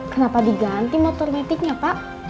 kenapa diganti motor metiknya pak